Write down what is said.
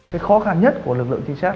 cái khó khăn nhất của lực lượng trinh sát